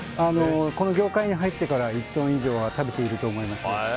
この業界に入ってから１トン以上は食べていると思います。